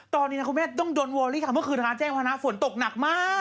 ตอนนี้นะคุณแม่ต้องโดนวอรี่ค่ะเมื่อคืนนะคะแจ้งพนักฝนตกหนักมาก